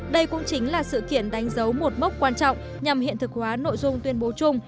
đây cũng chính là sự kiện đánh dấu một mốc quan trọng nhằm hiện thực hóa nội dung tuyên bố chung